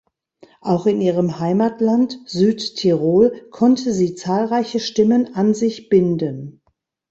Auch in ihrem Heimatland Südtirol konnte sie zahlreiche Stimmen an sich binden.